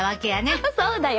そうだよ。